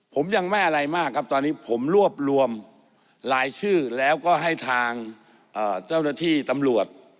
ผมยังไม่อะไรมากครับตอนนี้ผมรวบรวมรายชื่อแล้วก็ให้ทางเจ้าหน้าที่ตำรวจ